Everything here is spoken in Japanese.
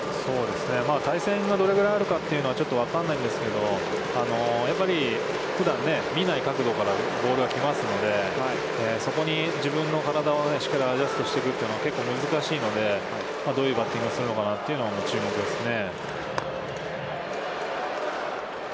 対戦がどれぐらいあるかというのはちょっと分かんないですけど、やっぱりふだん見ない角度からボールが来ますので、そこに自分の体をしっかりアジャストしていくというのは結構難しいので、どういうバッティングをするのかなというのは、注目ですね。